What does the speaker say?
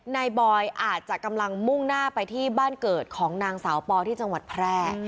บอยอาจจะกำลังมุ่งหน้าไปที่บ้านเกิดของนางสาวปอที่จังหวัดแพร่